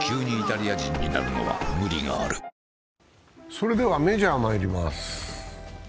それではメジャーまいります。